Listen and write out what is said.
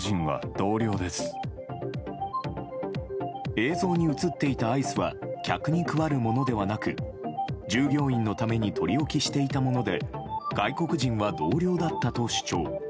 映像に映っていたアイスは客に配るものではなく従業員のために取り置きしていたもので外国人は同僚だったと主張。